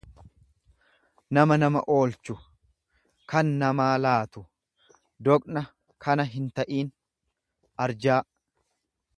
nama nama oolchu, kan namaa laatu, doqna kana hinta'in, arjaa